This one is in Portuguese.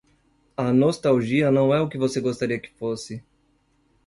A nostalgia não é o que você gostaria que fosse.